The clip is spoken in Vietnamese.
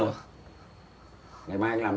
dạ ngày mai ạ